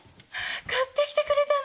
買ってきてくれたの？